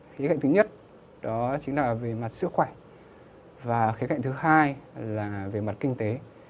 cái cạnh thứ nhất đó chính là về mặt sức khỏe và khía cạnh thứ hai là về mặt kinh tế